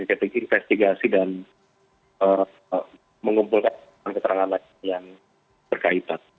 jadi kita harus berinvestigasi dan mengumpulkan keterangan lain yang berkaitan